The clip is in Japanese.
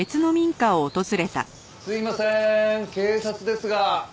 すいませーん警察ですが。